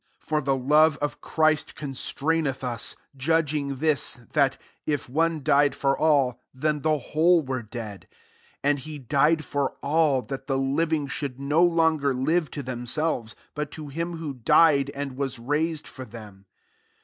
* 14 For the love of Christ :onstraineth us, judging this, hat, [if] one died for all, then he whole were dead; 15 and le died for all, that the living ihould no longer live to them^ lelvesj, but to him who died, and Fas raised, for them.